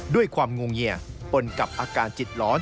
ด้วยความงงเงียปล่นกับอาการจิตร้อน